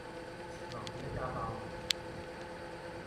Ttekleɣ fell-ak ad aɣ-tɛawneḍ.